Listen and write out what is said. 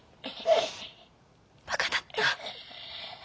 バカだった。